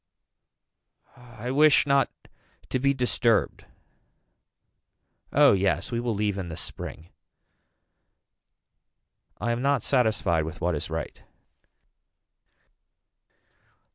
I wish not to be disturbed. Oh yes we will leave in the spring. I am not satisfied with what is right.